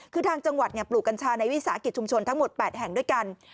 คือทางจังหวัดปลูกกัญชาในวิสาหกิจชุมชนทั้งหมด๘แห่งด้วยกัน